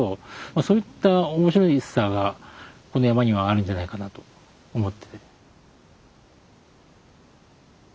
そういった面白さがこの山にはあるんじゃないかなと思って。